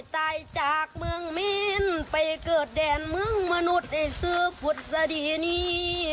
ตายจากเมืองมีนไปเกิดแดนเมืองมนุษย์ในสื่อพวกศดีนี้